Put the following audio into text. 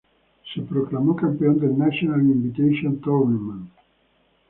Se proclamó campeón del National Invitation Tournament.